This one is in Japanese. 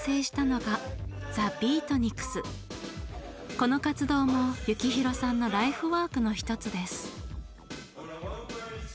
この活動も幸宏さんのライフワークの一つです。